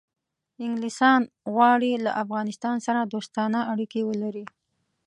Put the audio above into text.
انګلیسان غواړي له افغانستان سره دوستانه اړیکې ولري.